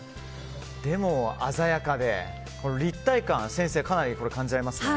でも鮮やかで立体感先生かなり感じられますね。